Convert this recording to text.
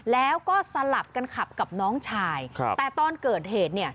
แล้วก็สลับกันขับกับน้องชายครับแต่ตอนเกิดเหตุเนี่ย